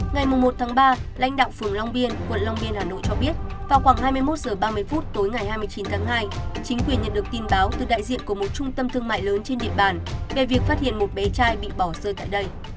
ngày một ba lãnh đạo phường long biên quận long biên hà nội cho biết vào khoảng hai mươi một h ba mươi phút tối ngày hai mươi chín tháng hai chính quyền nhận được tin báo từ đại diện của một trung tâm thương mại lớn trên địa bàn về việc phát hiện một bé trai bị bỏ rơi tại đây